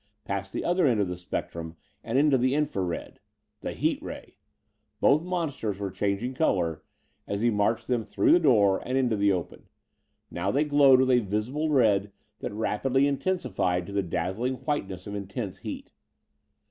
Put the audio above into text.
Past the other end of the spectrum and into the infra red. The heat ray! Both monsters were changing color as he marched them through the door and into the open. But now they glowed with a visible red that rapidly intensified to the dazzling whiteness of intense heat.